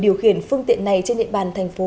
điều khiển phương tiện này trên địa bàn thành phố